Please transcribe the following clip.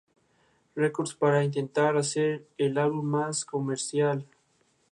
Records para intentar hacer el álbum más comercial.